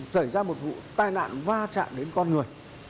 xảy ra một vụ tai nạn va chạm đến con người